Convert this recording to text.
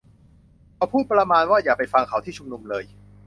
เขาพูดประมาณว่า อย่าไปฟังเขาที่ชุมนุมเลย